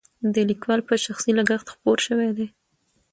د لیکوال په شخصي لګښت خپور شوی دی.